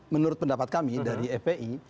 menurut pendapat kami dari fpi